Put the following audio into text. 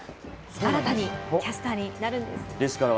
新たにキャスターになるんです。